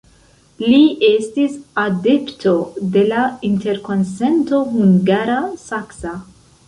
Li estis adepto de la interkonsento hungara-saksa.